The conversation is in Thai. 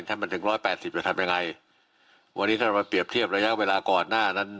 ถ้ามันถึงร้อยแปดสิบจะทำยังไงวันนี้ถ้าเรามาเปรียบเทียบระยะเวลาก่อนหน้านั้น